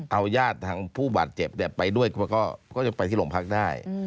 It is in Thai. เอาย่าทางผู้บาดเจ็บเนี่ยไปด้วยก็จะไปที่หลวงพักได้